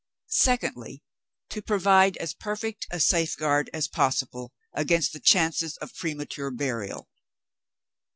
Secondly, to provide as perfect a safeguard as possible against the chances of premature burial.